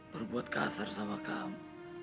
berbuat kasar sama kamu